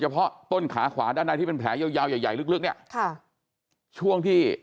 เฉพาะต้นขาขวาด้านในที่เป็นแผลยาวใหญ่ลึกเนี่ยช่วงที่